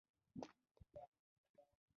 دا کتاب ښه دی